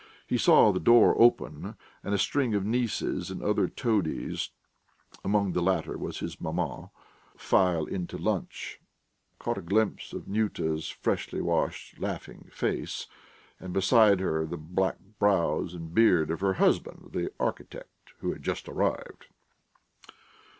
He saw the door open and a string of nieces and other toadies (among the latter was his maman) file into lunch, caught a glimpse of Nyuta's freshly washed laughing face, and, beside her, the black brows and beard of her husband the architect, who had just arrived.